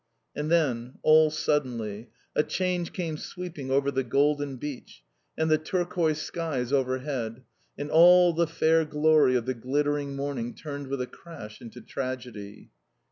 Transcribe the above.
And then, all suddenly, a change came sweeping over the golden beach and the turquoise skies overhead and all the fair glory of the glittering morning turned with a crash into tragedy.